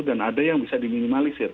dan ada yang bisa diminimalisir